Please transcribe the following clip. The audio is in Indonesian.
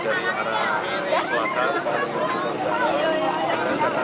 dan ada kurang kurangnya